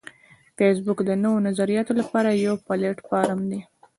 فېسبوک د نوو نظریاتو لپاره یو پلیټ فارم دی